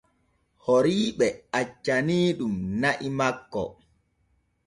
Horiiɓe accaniiɗun na'i makko.